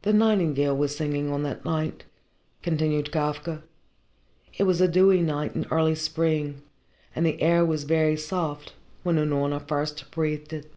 "The nightingale was singing on that night," continued Kafka. "It was a dewy night in early spring, and the air was very soft, when Unorna first breathed it.